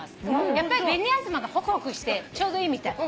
やっぱり紅あずまがホクホクしてちょうどいいみたい。